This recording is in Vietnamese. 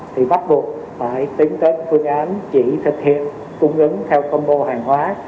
thì bắt buộc phải tính tên phương án chỉ thực hiện cung ứng theo combo hàng hóa